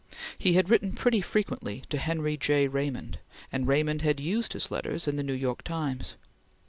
He had written pretty frequently to Henry J. Raymond, and Raymond had used his letters in the New York Times.